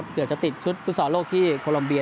เกิดจะติดชุดฟุษรโลกที่โคลมเบีย